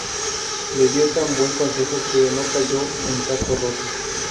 Le dio tan buen consejo que no cayó en saco roto